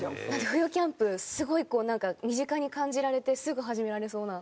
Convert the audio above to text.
冬キャンプすごいこうなんか身近に感じられてすぐ始められそうな。